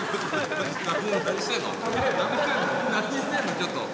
ちょっと。